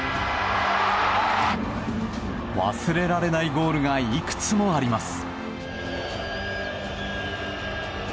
忘れられないゴールがいくつもあります。